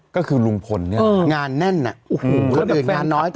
ก็คือลุงพลเนี่ย